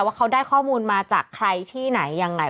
ว่าเขาได้ข้อมูลมาจากใครที่ไหนยังไง